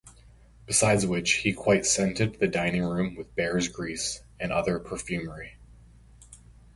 Besides which, he quite scented the dining-room with bear's-grease and other perfumery.